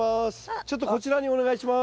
ちょっとこちらにお願いします。